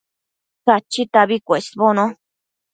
Cachitabi cuesbono